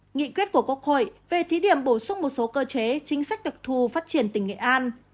nghị quyết của quốc hội về thí điểm bổ sung một số cơ chế chính sách đặc thù phát triển tỉnh nghệ an